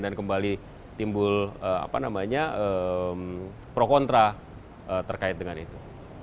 dan kembali timbul pro kontra terkait dengan itu